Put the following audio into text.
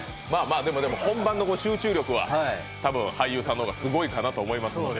でもでも、本番の集中力は俳優さんの方がすごいかなと思いますから。